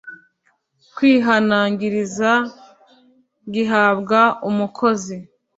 kwihanangirizwa Gihabwa umukozi